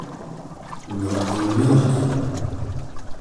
Но он мертв.